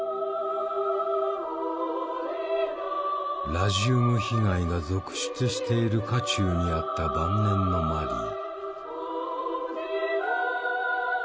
ラジウム被害が続出している渦中にあった晩年のマリー。